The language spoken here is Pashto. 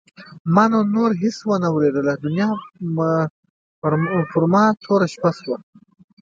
ما نو نور هېڅ وانه ورېدل دنیا پر ما توره شپه شوه.